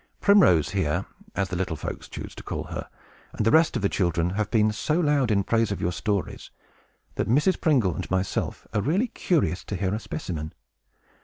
Primrose here, as the little folks choose to call her, and the rest of the children, have been so loud in praise of your stories, that Mrs. Pringle and myself are really curious to hear a specimen.